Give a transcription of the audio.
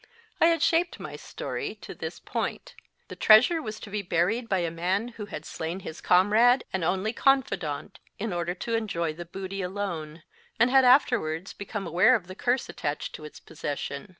I had shaped my story to this THE HAVEN, FOWEY 1 point : the treasure was to be buried by a man who had slain his comrade and only confidant in order to enjoy the booty alone, and had afterwards become aware of the curse attached to its possession.